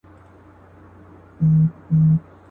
راغزولي دي خیرن لاسونه.